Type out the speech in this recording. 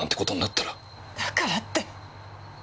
だからって。